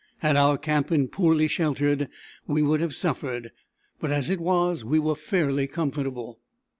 Had our camp been poorly sheltered we would have suffered, but at it was we were fairly comfortable.